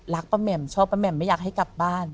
ป้าแหม่มชอบป้าแหม่มไม่อยากให้กลับบ้าน